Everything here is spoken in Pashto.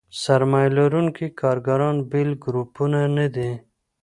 سرمایه لرونکي کارګران بېل ګروپونه نه دي.